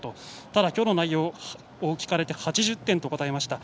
ただ、今日の内容を聞かれて８０点と答えました。